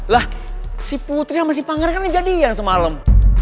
lah si putri sama si panggara kan kejadian semalem